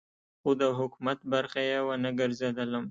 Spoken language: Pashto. خو د حکومت برخه یې ونه ګرځېدلم.